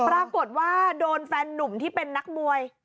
ปรากฏว่าโดนแฟนนุ่มที่เป็นนักมวย